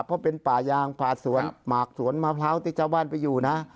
เพราะเป็นป่ายางป่าศวรรษหมากศวรมะพร้าวโต๊ะเจ้าว่านไปอยู่นะ